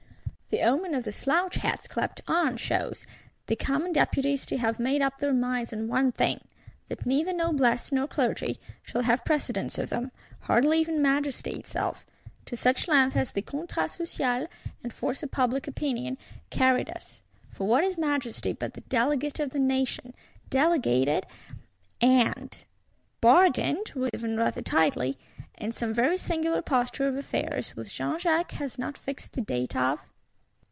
The omen of the "slouch hats clapt on" shows the Commons Deputies to have made up their minds on one thing: that neither Noblesse nor Clergy shall have precedence of them; hardly even Majesty itself. To such length has the Contrat Social, and force of public opinion, carried us. For what is Majesty but the Delegate of the Nation; delegated, and bargained with (even rather tightly),—in some very singular posture of affairs, which Jean Jacques has not fixed the date of?